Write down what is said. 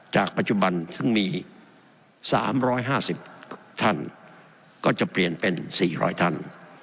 จากปัจจุบันซึ่งมี๓๕๐ท่านก็จะเปลี่ยนเป็น๔๐๐ท่าน